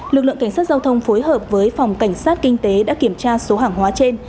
lực lượng cảnh sát giao thông phối hợp với phòng cảnh sát kinh tế đã kiểm tra số hàng hóa trên